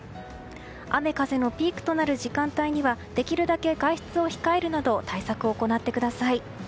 雨風のピークとなる時間帯にはできるだけ外出を控えるなど対策を行ってください。